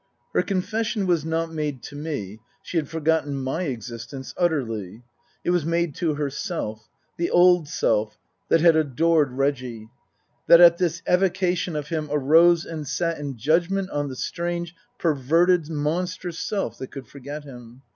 Her confession was not made to me (she had forgotten my existence utterly) ; it was made to herself the old self that had adored Reggie ; that at this evocation of him arose and sat in judgment on the strange, perverted, monstrous self that could forget him.